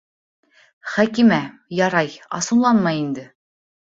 Хәкимә, ярай, асыуланма инде.